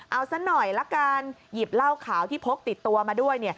เอาซะหน่อยละกันหยิบเหล้าขาวที่พกติดตัวมาด้วย